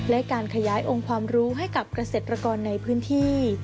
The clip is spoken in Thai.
และการขยายองค์ความรู้ให้กับเกษตรกรในพื้นที่